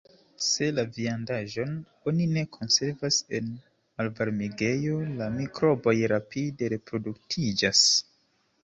Se la viandaĵon oni ne konservas en malvarmigejo, la mikroboj rapide reproduktiĝas.